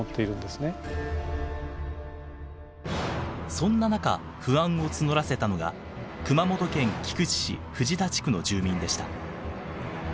そんな中不安を募らせたのが熊本県菊池市藤田地区の住民でした。